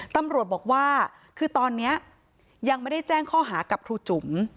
ตำรวจบอกว่าคือตอนนี้ยังไม่ได้แจ้งข้อหากับครูจุ๋ม